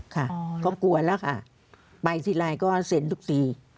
ค่ะก็กลัวแล้วค่ะไปทีไรก็เซ็นทุกที